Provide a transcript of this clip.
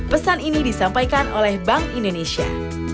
pesan ini disampaikan oleh bank indonesia